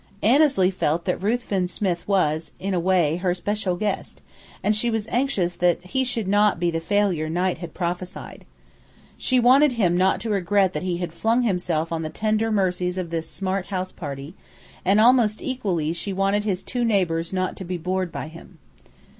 Annesley felt that Ruthven Smith was, in a way, her special guest, and she was anxious that he should not be the failure Knight had prophesied. She wanted him not to regret that he had flung himself on the tender mercies of this smart house party, and almost equally she wanted his two neighbours not to be bored by him.